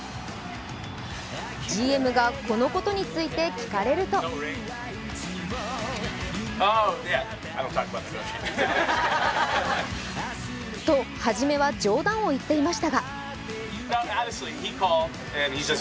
ＧＭが、このことについて聞かれるとと初めは冗談を言っていましたが。